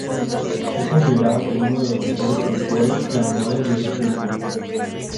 Es considerado como uno de los mejores pintores de animales de su tiempo.